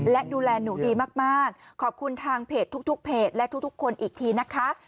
และดูแลหนูดีมากขอบคุณทางเพจทุกเพจและทุกคนอีกทีนะคะ